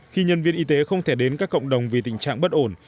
khi nhân viên y tế không thể đến các cộng đồng vì tình trạng bất ổn